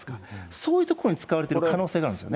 そういうところに使われてる可能性があるんですよね。